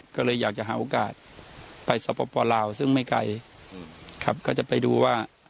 ก็เลยอยากจะหาโอกาสไปสปลาวซึ่งไม่ไกลครับก็จะไปดูว่า